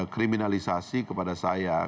kriminalisasi kepada saya